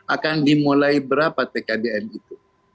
akan dimulai berapa tkdm itu